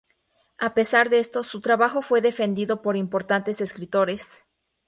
A pesar de esto, su trabajo fue defendido por importantes escritores.